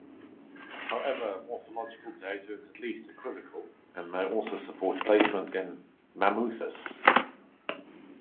However, morphological data is at least equivocal, and may also support placement in "Mammuthus".